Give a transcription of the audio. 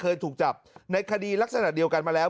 เคยถูกจับในคดีลักษณะเดียวกันมาแล้ว